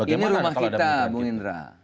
ini rumah kita bung indra